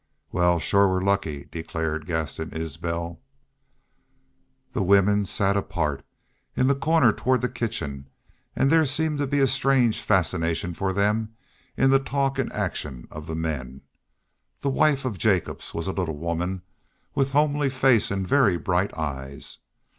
"Wal, shore we're lucky," declared Gaston Isbel. The women sat apart, in the corner toward the kitchen, and there seemed to be a strange fascination for them in the talk and action of the men. The wife of Jacobs was a little woman, with homely face and very bright eyes.